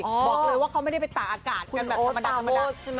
บอกเลยว่าเขาไม่ได้ไปตากอากาศกันแบบธรรมดา